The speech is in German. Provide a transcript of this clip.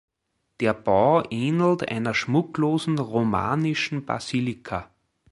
Der Bau ähnelt einer schmucklosen romanischen Basilika.